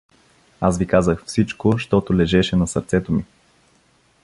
Аз ви казах всичко, щото лежеше на сърцето ми.